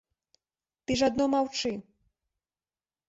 Ты ж адно маўчы.